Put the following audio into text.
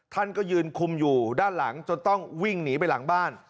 ท่านก็ยืนคุมอยู่ด้านหลังจนต้องวิ่งหนีไปหลังบ้าน